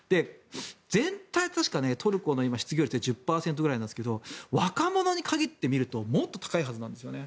全体、確かトルコの失業率って今、１０％くらいなんですけど若者に限ってみるともっと高いはずなんですよね。